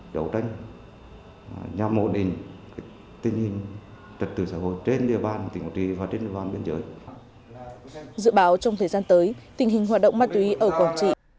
dự báo trong thời gian tới tình hình hoạt động ma túy ở quảng trị